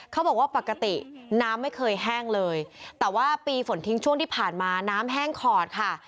เขาบอกว่าปกติน้ำไม่เคยแห้งเลยแต่ว่าปีฝนทิ้งช่วงที่ผ่านมาน้ำแห้งขอดค่ะ